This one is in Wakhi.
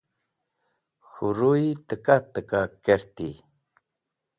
K̃hũ ruyi takah takah kerti.